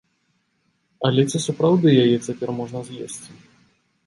Але ці сапраўды яе цяпер можна з'есці?